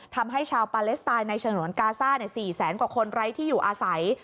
ทำให้ชาวปาเลสไตน์ในฉนวนกาซ่า๔แสนกว่าคนไร้ที่อยู่อาศัย